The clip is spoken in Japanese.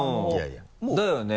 だよね？